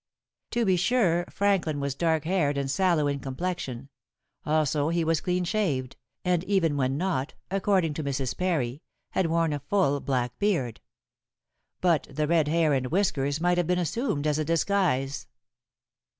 To be sure Franklin was dark haired and sallow in complexion; also he was clean shaved, and even when not according to Mrs. Parry had worn a full black beard. But the red hair and whiskers might have been assumed as a disguise.